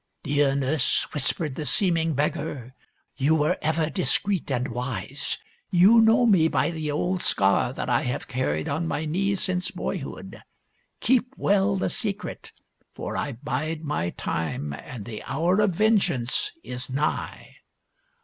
" Dear nurse," whispered the seeming beggar, "you were ever discreet and wise. You know me by the old scar that I have carried on my knee since boyhood. Keep well the secret, for I bide my time and the hour of vengeance is nigh."